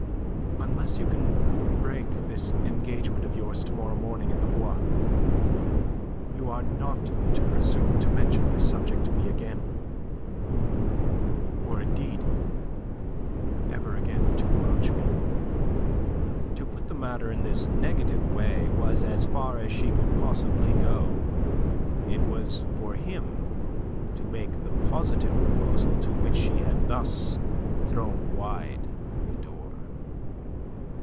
unless you can break this engagement of yours to morrow morning in the Bois, you are not to presume to mention this subject to me again, or, indeed, ever again to approach me." To put the matter in this negative way was as far as she could possibly go. It was for him to make the positive proposal to which she had thus thrown wide the door.